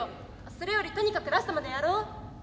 それよりとにかくラストまでやろう。